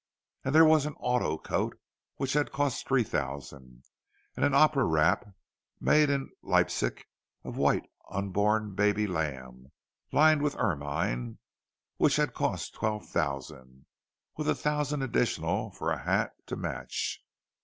And there was an auto coat which had cost three thousand; and an opera wrap made in Leipsic, of white unborn baby lamb, lined with ermine, which had cost twelve thousand—with a thousand additional for a hat to match!